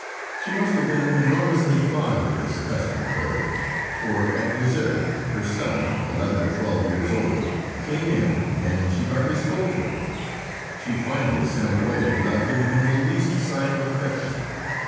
She must have been enormously fond of this custom of hers, for at dessert her son, eleven or twelve years old, came in, and she hardly spoke to him; she finally sent him away without giving him the least sign of affection.